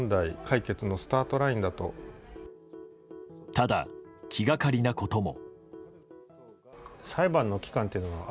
ただ、気がかりなことも。